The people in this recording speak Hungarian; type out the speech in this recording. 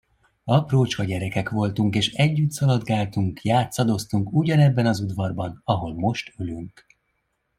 Aprócska gyerekek voltunk, és együtt szaladgáltunk, játszadoztunk ugyanebben az udvarban, ahol most ülünk.